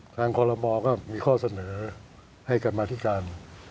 ทางควรมองค์ก็มีข้อเสนอให้กันมาที่การ